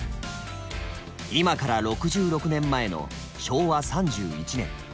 今から６６年前の昭和３１年。